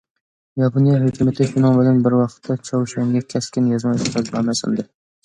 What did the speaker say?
ياپونىيە ھۆكۈمىتى شۇنىڭ بىلەن بىر ۋاقىتتا چاۋشيەنگە كەسكىن يازما ئېتىرازنامە سۇندى.